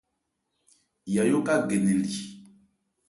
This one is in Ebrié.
Yayó ka gɛ nnɛn li.